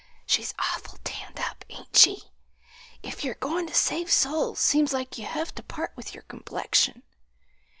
"She's awful tanned up, ain't she? If you're goin' to save souls seems like you hev' to part with your complexion.